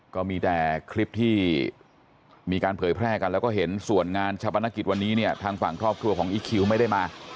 ก็มีแต่คลิปที่มีการเผยแพร่กันแล้วก็เห็นส่วนงานชาปนกิจวันนี้เนี่ยทางฝั่งครอบครัวของอีคคิวไม่ได้มา